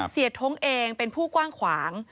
ท้งเองเป็นผู้กว้างขวาง